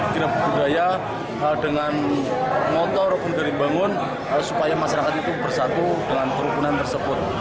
kirap budaya dengan motor berimbangun supaya masyarakat itu bersatu dengan kerukunan tersebut